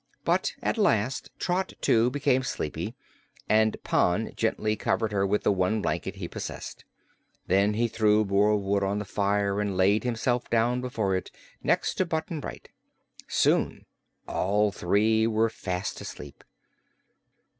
But at last Trot, too, became sleepy and Pon gently covered her with the one blanket he possessed. Then he threw more wood on the fire and laid himself down before it, next to Button Bright. Soon all three were fast asleep.